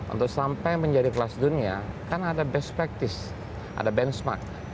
untuk sampai menjadi kelas dunia kan ada best practice ada benchmark